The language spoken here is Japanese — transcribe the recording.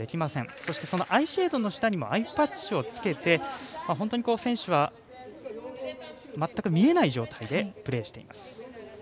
そして、アイシェードの下にもアイパッチをつけて本当に選手は全く見えない状態でプレーしています。